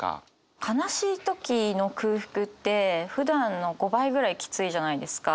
悲しい時の空腹ってふだんの５倍ぐらいキツいじゃないですか。